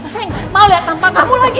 saya mau lihat tampak kamu lagi